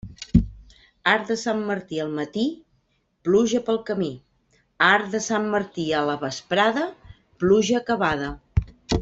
Arc de Sant Martí al matí, pluja pel camí; arc de Sant Martí a la vesprada, pluja acabada.